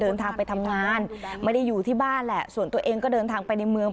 เดินทางไปทำงานไม่ได้อยู่ที่บ้านแหละส่วนตัวเองก็เดินทางไปในเมือง